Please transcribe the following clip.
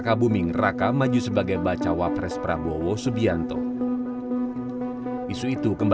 namun pernyataan itu dibantau oleh ketua dpp pde perjuangan puan maharani padarabu